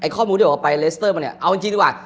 ข้อมูลที่เขาบอกว่าไปเลสเตอร์มา